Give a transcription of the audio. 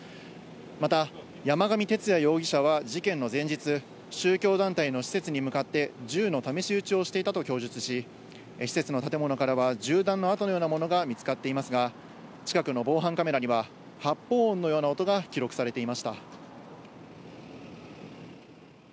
また山上徹也容疑者は事件の前日、宗教団体の施設に向かって、銃の試し撃ちをしていたと供述し、施設の建物からは銃弾の痕のようなものが見つかっていますが、近くの防犯カメラには発砲のような音が記録されていました。